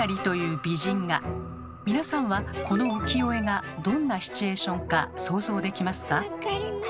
皆さんはこの浮世絵がどんなシチュエーションか想像できますか？